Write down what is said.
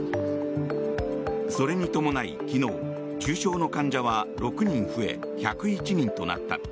それに伴い、昨日重症の患者は６人増え１０１人となった。